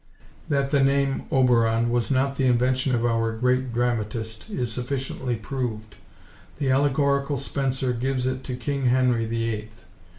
That the name [Oberon] was not the invention of our great dramatist is sufficiently proved. The allegorical Spenser gives it to King Henry the Eighth.